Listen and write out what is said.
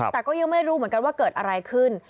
แต่ก็ยังไม่รู้เหมือนกันว่าเกิดอะไรขึ้น